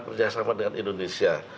kerjasama dengan indonesia